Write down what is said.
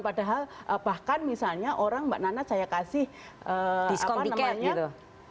padahal bahkan misalnya orang mbak nana saya kasih diskon tiket gitu